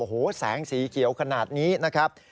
โอ้โหแสงสีเขียวขนาดนี้นะครับ